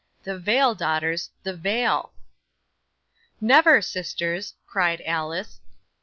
The veil, daughters, the veil!" '"Never, sisters," cried Alice.